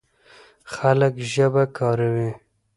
خلک ژبه کاروي.